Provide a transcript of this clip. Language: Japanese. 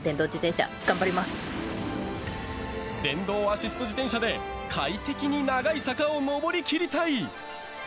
電動アシスト自転車で快適に長い坂を上り切りたい。